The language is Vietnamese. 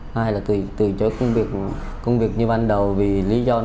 hai là từ chối công việc như ban đầu vì lý do